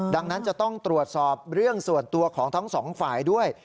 ดังนั้นจะต้องตรวจสอบเรื่องส่วนตัวของทั้งสองฝ่ายด้วย